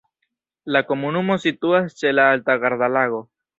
La komunumo situas ĉe la alta Garda-Lago.